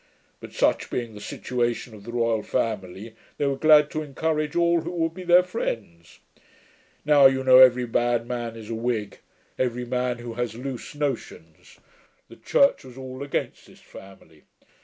But such being the situation of the royal family, they were glad to encourage all who would be their friends. Now you know every bad man is a Whig; every man who has loose notions. The Church was all against this family.